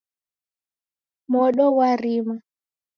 Modo ghwarima.